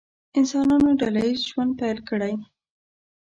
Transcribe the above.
انسانانو ډله ییز ژوند پیل کړی.